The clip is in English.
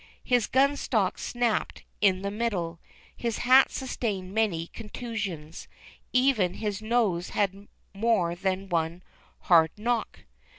His gun stock snapped in the middle, his hat sustained many contusions, even his nose had more than one hard knock.